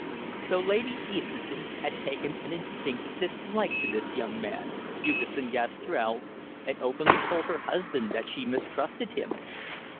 So Lady Easterton had taken an instinctive dislike to this young man, Hugesson Gastrell, and openly told her husband that she mistrusted him.